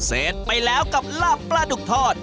เสร็จไปแล้วกับลาบปลาดุกทอด